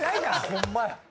ホンマや。